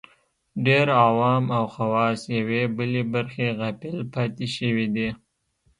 ډېر عوام او خواص یوې بلې برخې غافل پاتې شوي دي